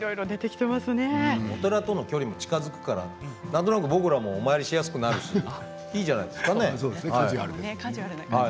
距離も近づくからなんとなく僕らもお参りしやすくなるし、いいじゃないですかね。